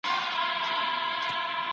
زه له خطرناکو ځايونو ځان ليري ساتم.